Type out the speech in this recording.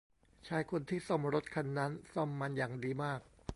ชายคนที่ซ่อมรถคันนั้นซ่อมมันอย่างดีมาก